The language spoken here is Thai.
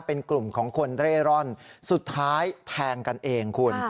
เป็นกลุ่มของคนเร่ร่อนสุดท้ายแทงกันเองคุณ